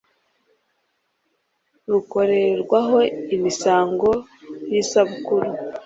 Rukorerwaho imisango yisabukuru